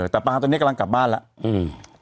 แต่ปลาตอนนี้กำลังกลับบ้านแล้ว